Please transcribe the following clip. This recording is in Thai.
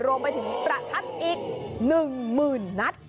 รวมไปถึงประทัดอีก๑๐๐๐นัด